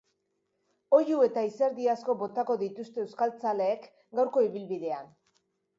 Oihu eta izerdi asko botako dituzte euskaltzaleek gaurko ibilbidean.